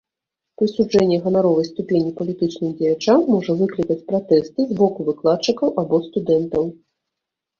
Прысуджэнне ганаровай ступені палітычным дзеячам можа выклікаць пратэсты з боку выкладчыкаў або студэнтаў.